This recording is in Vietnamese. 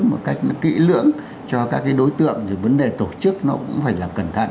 một cách kỹ lưỡng cho các cái đối tượng thì vấn đề tổ chức nó cũng phải là cẩn thận